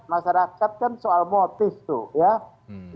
masyarakat kan soal motif tuh ya